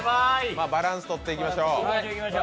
バランスとっていきましょう。